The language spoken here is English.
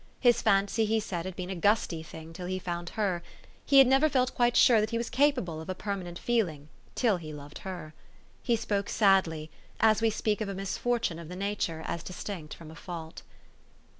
His fancy, he said, had been a gusty thing till he found her ; he had never felt quite sure that he was capable of a permanent feeling, till he loved her. He spoke sadly, as we speak of a misfortune of the nature as distinct from a fault.